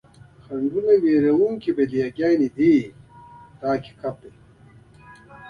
خنډونه وېروونکي بلاوې دي دا حقیقت دی.